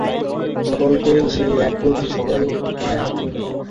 সকলেরই সেই এক গতি, সবই মায়া।